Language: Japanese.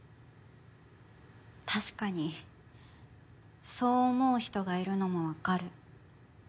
確かにそう思う人がいるのも分かる。